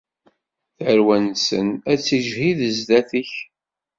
Tarwa-nsen ad tiǧhid sdat-k.